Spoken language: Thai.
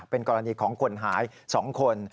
เป็นกรณีของคนหาย๒คน